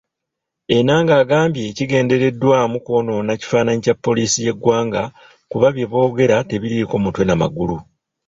Ennanga agambye kigendereddwamu kwonoona kifaananyi kya poliisi y'eggwanga kuba byeboogera tebiriiko mutwe na magulu.